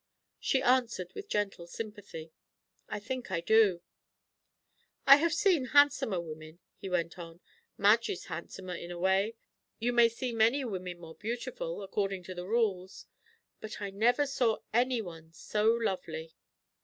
She answered with gentle sympathy, "I think I do." "I have seen handsomer women," he went on; "Madge is handsomer, in a way; you may see many women more beautiful, according to the rules; but I never saw any one so lovely!"